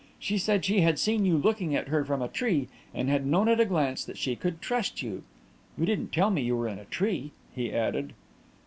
She said she had seen you looking at her from a tree and had known at a glance that she could trust you. You didn't tell me you were in a tree," he added.